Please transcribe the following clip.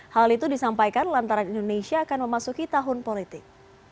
hal itu disampaikan lantaran indonesia akan memasuki tahun politik